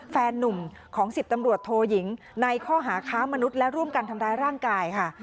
แฟนนุ่มของ๑๐ตำรวจโทยิงในข้อหาค้ามนุษย์และร่วมกันทำร้ายร่างกายค่ะ